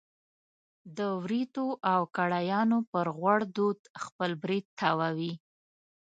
د وریتو او کړایانو پر غوړ دود خپل برېت تاووي.